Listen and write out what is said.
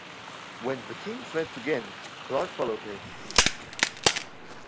When the King fled to Ghent, Clarke followed him.